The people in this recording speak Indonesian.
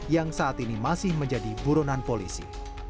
yang saat ini masih menjadi buronan polisi